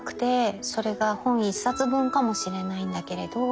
それが本１冊分かもしれないんだけれど。